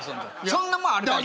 そんなもんあるか。